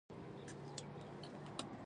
ګل پروت او ګل پاڼه پرته ده.